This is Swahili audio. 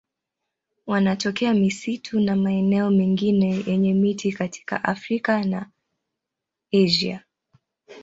Wanatokea misitu na maeneo mengine yenye miti katika Afrika na Asia.